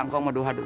kong maduha dulu